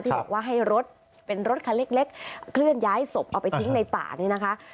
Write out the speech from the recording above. บอกว่าให้รถเป็นรถคันเล็กเคลื่อนย้ายศพเอาไปทิ้งในป่านี่นะคะ